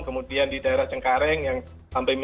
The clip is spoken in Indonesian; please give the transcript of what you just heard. kemudian di daerah cengkareng yang sampai